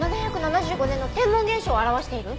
７７５年の天文現象を表している？